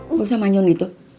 gak usah manyun gitu